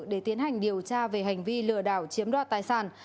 để tiến hành điều tra về hành vi lừa đảo chiếm đoạt tài sản